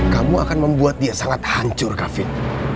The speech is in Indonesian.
kamu akan membuat dia sangat hancur kafir